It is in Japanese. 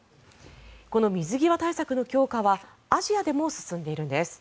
この水際対策の強化はアジアでも進んでいるんです。